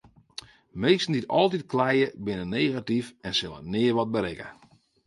Minsken dy't altyd kleie binne negatyf en sille nea wat berikke.